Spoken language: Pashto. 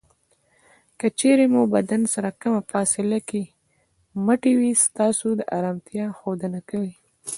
که چېرې مو بدن سره کمه فاصله کې مټې وي ستاسې ارامتیا ښودنه کوي.